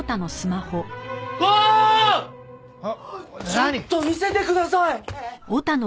ちょっと見せてください！